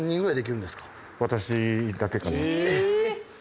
えっ！？